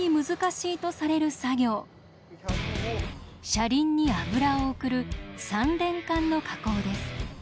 車輪に油を送る３連管の加工です。